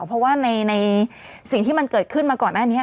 เพราะว่าในสิ่งที่มันเกิดขึ้นมาก่อนหน้านี้